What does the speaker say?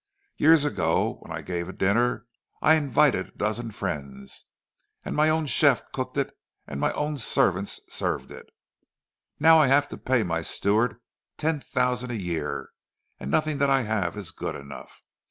Years ago when I gave a dinner, I invited a dozen friends, and my own chef cooked it and my own servants served it. Now I have to pay my steward ten thousand a year, and nothing that I have is good enough.